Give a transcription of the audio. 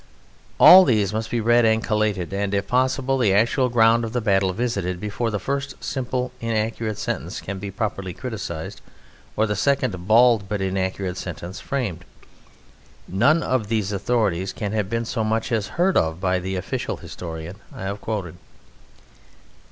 All these must be read and collated, and if possible the actual ground of the battle visited, before the first simple inaccurate sentence can be properly criticized or the second bald but accurate sentence framed. None of these authorities can have been so much as heard of by the official historian I have quoted.